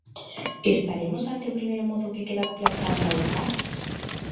Estaremos ante o primeiro mozo que queda plantado no altar?